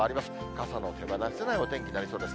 傘の手放せないお天気になりそうです。